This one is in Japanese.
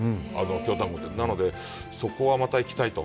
京丹後ってなので、そこはまた行きたいと。